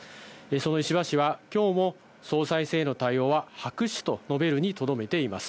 その石破氏はきょうも総裁選への対応は白紙と述べるにとどめています。